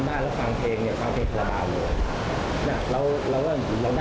คุณพ่อคุณแม่คุณตายคุณยายฟังมา